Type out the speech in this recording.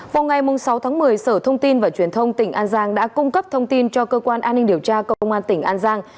vào ngày sáu tháng một mươi sở thông tin và truyền thông tỉnh an giang đã cung cấp thông tin cho cơ quan an ninh điều tra công an tỉnh an giang